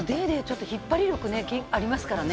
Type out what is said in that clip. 引っ張り力ありますからね。